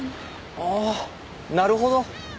ああなるほど。